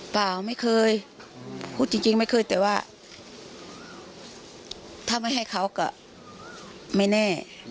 เปล่าไม่เคยพูดจริงไม่เคยแต่ว่าถ้าไม่ให้เขาก็ไม่แน่